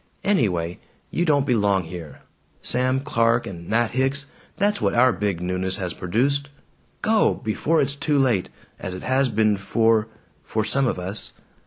Anyway, you don't belong here. Sam Clark and Nat Hicks, that's what our big newness has produced. Go! Before it's too late, as it has been for for some of us.